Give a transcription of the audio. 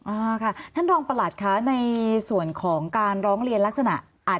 อ่าค่ะท่านรองประหลัดคะในส่วนของการร้องเรียนลักษณะ